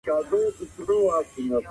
زه به د کور کالي مينځلي وي.